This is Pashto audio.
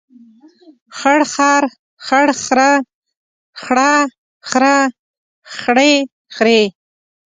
خړ خر، خړ خره، خړه خره، خړې خرې.